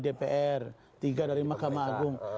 dpr tiga dari mahkamah agung